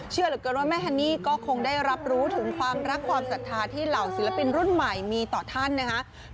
เชื่อเหลือเกินว่าแม่ฮันนี่ก็คงได้รับรู้ถึงความรักความศรัทธาที่เหล่าศิลปินรุ่นใหม่มีต่อท่านนะครับ